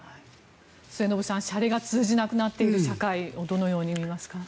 末延さん、しゃれが通じなくなっている社会をどのように見ますか？